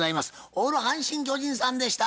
オール阪神・巨人さんでした。